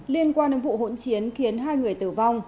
liên quan đến vụ hỗn chiến khiến hai người tử vong